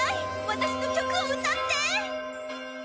私の曲を歌って！